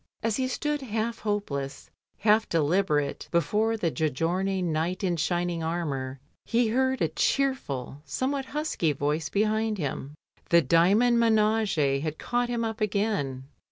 As he stood half hopeless, half deliberate, before the Giorgione knight in shining armour he heard a cheerful, some what husky voice behind him: The Dymond minage had caught him up again.